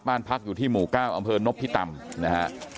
บ้านพักอยู่ที่หมู่ก้าวอนพิตำนะครับ